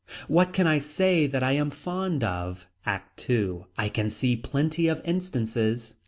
What can I say that I am fond of. ACT II. I can see plenty of instances.